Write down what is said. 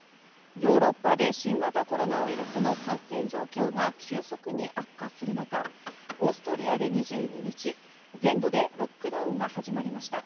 ヨーロッパで新型コロナウイルスの感染状況が急速に悪化する中、オーストリアで２２日、全土でロックダウンが始まりました。